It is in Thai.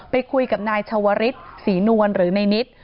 ไปคุยกับนายชาวริสศรีนวลหรือในนิด